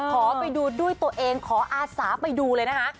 ขอไปดูด้วยตัวเองขออาสาไปดูเลยนะคะ